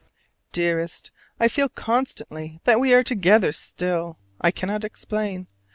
Dearest: I feel constantly that we are together still: I cannot explain.